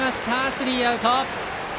スリーアウト。